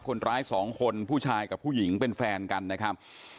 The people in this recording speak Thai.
คนร้ายสองคนผู้ชายกับผู้หญิงเป็นแฟนกันนะครับ